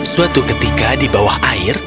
suatu ketika di bawah air